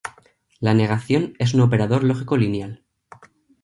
La negación es un operador lógico lineal.